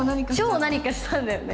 書を何かしたんだよね。